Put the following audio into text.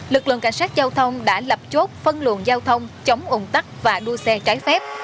lực lượng cảnh sát giao thông đã lập chốt phân luồng giao thông chống ủng tắc và đua xe trái phép